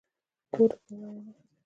کور د پاملرنې نښه ده.